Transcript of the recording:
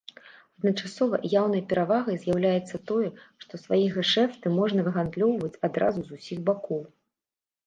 Адначасова яўнай перавагай з'яўляецца тое, што свае гешэфты можна выгандлёўваць адразу з усіх бакоў.